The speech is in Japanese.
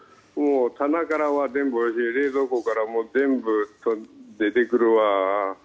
棚からは全部冷蔵庫からも全部出てくるわ。